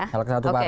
caleg satu partai